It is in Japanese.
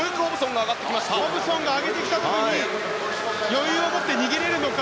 ホブソン上げてきた時に余裕を持って逃げられるか。